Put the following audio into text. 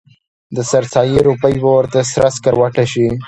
د سر سایې روپۍ به ورته سره سکروټه شي.